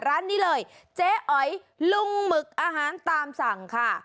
ร้านนี้เลยเจ๊อ๋อยลุงหมึกอาหารตามสั่งค่ะ